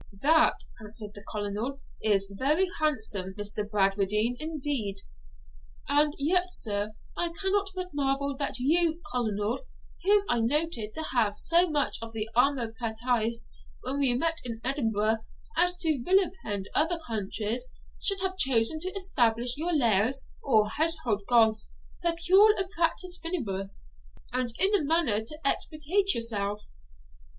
'That,' answered the Colonel, 'is very handsome, Mr. Bradwardine, indeed.' 'And yet, sir, I cannot but marvel that you, Colonel, whom I noted to have so much of the amor patritz when we met in Edinburgh as even to vilipend other countries, should have chosen to establish your Lares, or household gods, procul a patrice finibus, and in a manner to expatriate yourself.'